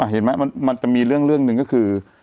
เห็นไหมมันก็มีเรื่องหนึ่งก็คือ